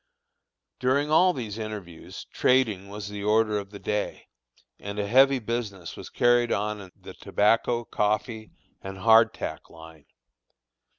] During all these interviews trading was the order of the day, and a heavy business was carried on in the tobacco, coffee, and hard tack line.